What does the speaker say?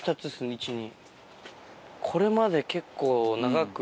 １・２。